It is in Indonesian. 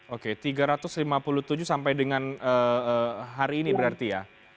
oke tiga ratus lima puluh tujuh sampai dengan hari ini berarti ya